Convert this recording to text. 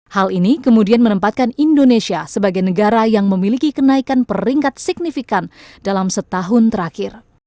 hal ini kemudian menempatkan indonesia sebagai negara yang memiliki kenaikan peringkat signifikan dalam setahun terakhir